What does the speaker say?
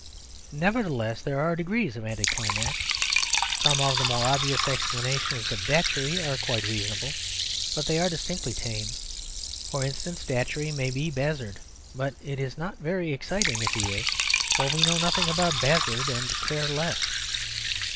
Nevertheless there are degrees of anticlimax. Some of the more obvious explanations of Datchery are quite reasonable, but they are distinctly tame. For instance, Datchery may be Bazzard; but it is not very exciting if he is; for we know nothing about Bazzard and care less.